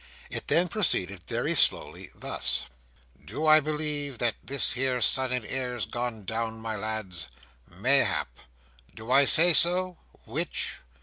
It then proceeded very slowly, thus: "Do I believe that this here Son and Heir's gone down, my lads? Mayhap. Do I say so? Which?